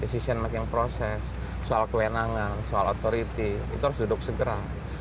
desisi yang makin proses soal kewenangan soal authority itu harus duduk segera